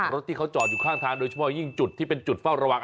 รถที่เขาจอดอยู่ข้างทางโดยเฉพาะยิ่งจุดที่เป็นจุดเฝ้าระวัง